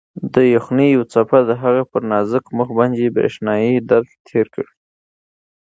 د یخنۍ یوې څپې د هغې پر نازک مخ باندې برېښنايي درد تېر کړ.